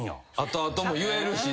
後々も言えるしな。